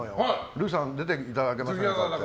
ルーさん出ていただけますかって。